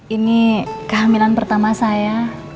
ini kehamilan pertama saya